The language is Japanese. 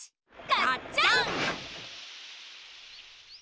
がっちゃん！